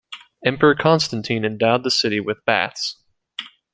Emperor Constantine endowed the city with baths.